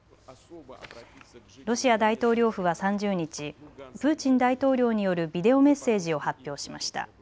ロシア大統領府は３０日、プーチン大統領によるビデオメッセージを発表しました。